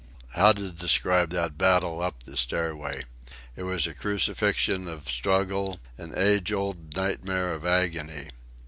How describe that battle up the stairway? It was a crucifixion of struggle, an age long nightmare of agony.